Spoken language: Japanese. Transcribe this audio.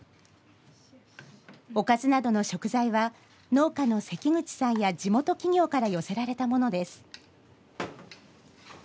おかずなどの食材は農家の関口さんや地元企業から寄せられたものです。